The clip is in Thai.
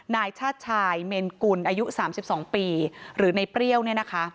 นายชาติชายเมนกุลอายุ๓๒ปีหรือในเปรี้ยวเนี่ยนะคะ